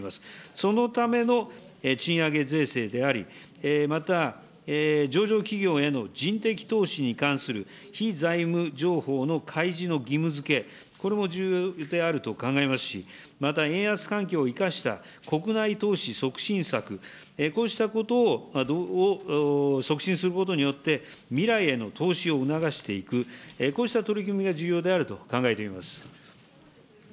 そのための賃上げ税制であり、また、上場企業への人的投資に関する非財務情報の開示の義務づけ、これも重要であると考えますし、また円安環境を生かした国内投資促進策、こうしたことなどを促進することによって未来への投資を促していく、こうした取り組みが重要であると考えています。